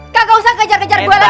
gak usah kejar kejar gue lagi